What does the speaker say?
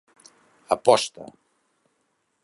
Aposta.